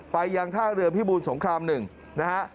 ไปยังท่าเรือพิบูรสงคราม๑นะฮะ